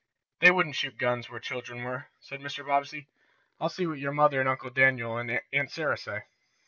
"They wouldn't shoot guns where children were," said Mr. Bobbsey. "I'll see what your mother, and Uncle Daniel and Aunt Sarah say."